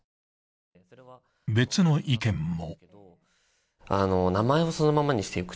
別の意見も。